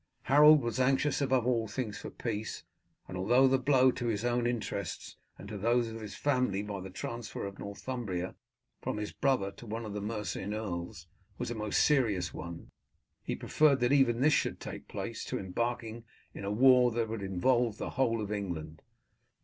Harold was anxious above all things for peace, and although the blow to his own interests and to those of his family, by the transfer of Northumbria from his brother to one of the Mercian earls, was a most serious one, he preferred that even this should take place to embarking in a war that would involve the whole of England.